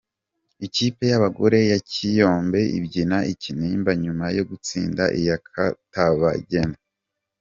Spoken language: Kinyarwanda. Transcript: Ikipe y’abagore ya Kiyombe ibyina ikinimba nyuma yo gutsinda iya Katabagemu.